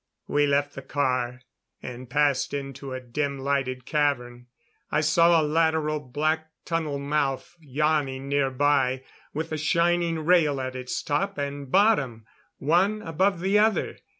We left the car, and passed into a dim lighted cavern. I saw a lateral black tunnel mouth yawning nearby, with a shining rail at its top and bottom, one above the other.